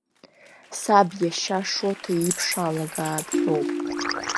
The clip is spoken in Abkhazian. Саб иашьа Шоҭа иԥш алаагап ҳәоуп!